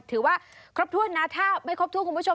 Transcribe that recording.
ถือว่าครบถ้วนนะถ้าไม่ครบถ้วนคุณผู้ชม